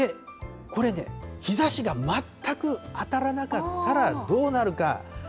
で、これね、日ざしが全く当たらなかったらどうなるか。